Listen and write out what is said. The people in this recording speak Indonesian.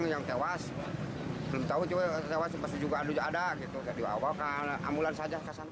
yang tewas belum tahu juga ada